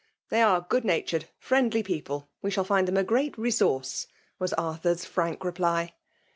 ^ They are good natured, friendly people, ^ we shall find them a great resource," was Ar« thnr's frank reply.